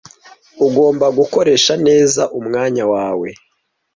Ugomba gukoresha neza umwanya wawe.